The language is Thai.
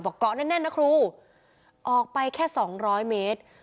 เกาะแน่นนะครูออกไปแค่๒๐๐เมตร